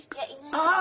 ああ！